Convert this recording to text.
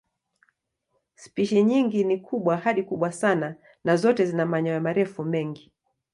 Spishi nyingi ni kubwa hadi kubwa sana na zote zina manyoya marefu mengi.